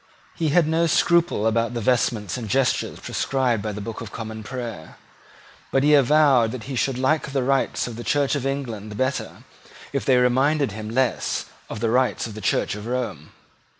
He had no scruple about the vestments and gestures prescribed by the Book of Common Prayer. But he avowed that he should like the rites of the Church of England better if they reminded him less of the rites of the Church of Rome.